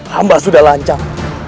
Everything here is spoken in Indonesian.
hamba sudah lancar